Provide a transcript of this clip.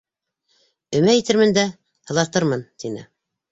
Өмә итермен дә һылатырмын, — тине.